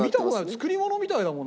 作り物みたいだもんなんか。